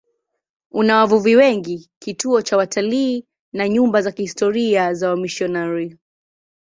Una wavuvi wengi, kituo cha watalii na nyumba za kihistoria za wamisionari.